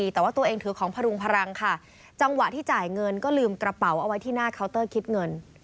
แต่ว่าตัวเองถือของพรุงพลังค่ะจังหวะที่จ่ายเงินก็ลืมกระเป๋าเอาไว้ที่หน้าเคาน์เตอร์คิดเงิน